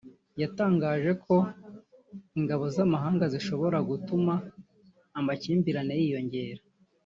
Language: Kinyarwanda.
yatangaje ko ingabo z’amahanga zishobora gutuma amakimbirane yiyongera